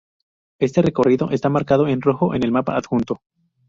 Este recorrido está marcado en rojo en el mapa adjunto.